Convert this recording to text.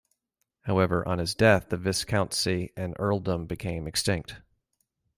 However, on his death the viscountcy and earldom became extinct.